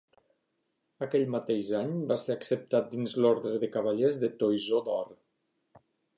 Aquell mateix any va ser acceptat dins l'orde de cavallers del Toisó d'Or.